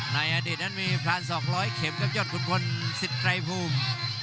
ในอดีตนั้นมีการสอกร้อยเข็มครับยอดขุนพลสิทธิ์ไตรภูมิ